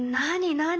何？